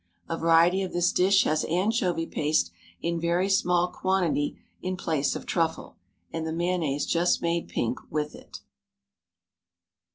A variety of this dish has anchovy paste in very small quantity in place of truffle, and the mayonnaise just made pink with it.